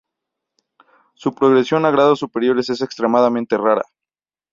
Su progresión a grados superiores es extremadamente rara.